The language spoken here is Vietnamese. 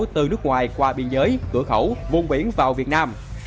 từ nước ngoài qua biên giới cửa khẩu vùng biển vào việt nam